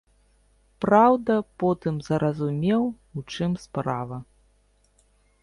Праўда, потым зразумеў, у чым справа.